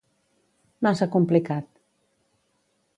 Massa complicat.